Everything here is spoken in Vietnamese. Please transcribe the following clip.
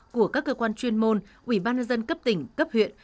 của các cơ quan chuyên môn ủy ban nhân dân cấp tỉnh cấp huyện